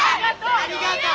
ありがとう！